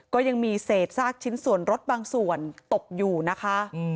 ก็ยังมีเศษซากชิ้นส่วนรถบางส่วนตกอยู่นะคะ